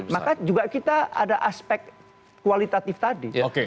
maka juga kita ada aspek kualitatif tadi